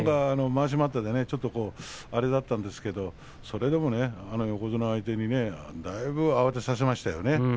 まわし待ったでちょっと、あれだったんですけどそれでも横綱相手にだいぶ慌てさせましたよね。